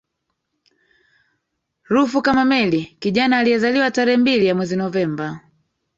rufu kama meli kijana aliyezaliwa tarehe mbili ya mwezi novemba